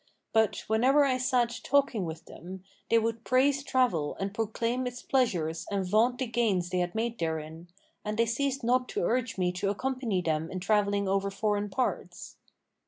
But, whenever I sat talking with them, they would praise travel and proclaim its pleasures and vaunt the gains they had made therein; and they ceased not to urge me to accompany them in travelling over foreign parts."